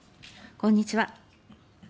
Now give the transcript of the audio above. こんにちは。